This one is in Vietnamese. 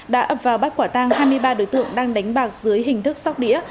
đã ập vào bắt quả tang hai mươi ba đối tượng đang đánh bạc dưới hình thức sóc đĩa